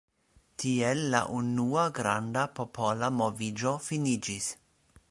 Tiel la unua granda popola moviĝo finiĝis.